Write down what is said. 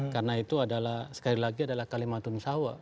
karena itu adalah sekali lagi adalah kalimatun shawa